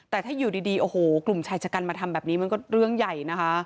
แต่ถ้าอยู่ดีโอ้โหกลุ่มชายชะกันมาทำแบบนี้มันก็เรื่องใหญ่นะคะ